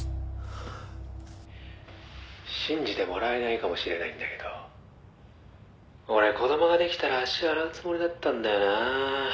「信じてもらえないかもしれないんだけど俺子供ができたら足洗うつもりだったんだよなあ」